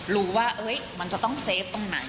รู้ว่ามันจะต้องเซฟตรงไหน